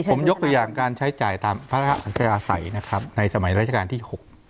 ผมยกอย่างการใช้จ่ายตามพระอาจารยาใสในสมัยราชการที่๖